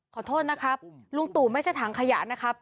ขอโทษนะครับลุงตู่ไม่ใช่ถังขยะนะครับ